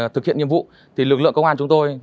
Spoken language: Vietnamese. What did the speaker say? thực hiện nhiệm vụ thì lực lượng công an chúng tôi